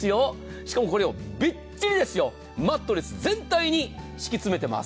しかもこれをぎっちりですよ、マットレス全体に敷き詰めてます。